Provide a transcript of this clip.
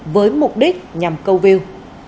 với mục đích nhằm câu view